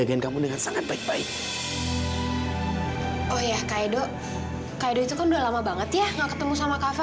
kak edo kak edo itu kan udah lama banget ya gak ketemu sama kava